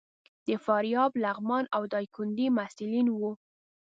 د فاریاب، لغمان او ډایکنډي محصلین وو.